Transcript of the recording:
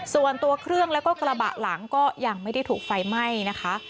ส่วนตัวเครื่องแล้วก็กระบะหลังก็ยังไม่ได้ถูกไฟไหม้นะคะ